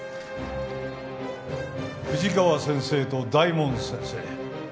富士川先生と大門先生